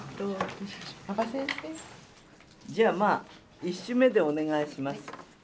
じゃあまあ一首目でお願いします。